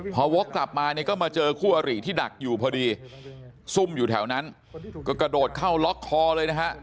พอวกกลับมาเนี่ยก็มาเจอคู่อริที่ดักอยู่พอดีซุ่มอยู่แถวนั้นก็กระโดดเข้าล็อกคอเลยนะฮะ